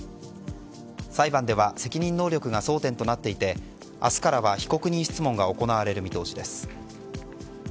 裁判では責任能力が争点となっていて明日からは被告人質問が行われる見込みです。